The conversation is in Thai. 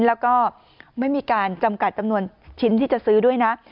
แล้วก็ไม่มีการจำกัดจำนวนชิ้นที่จะซื้อด้วยนะ